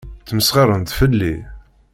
Ttmesxiṛent fell-i.